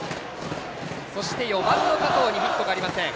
４番の加藤にヒットがありません。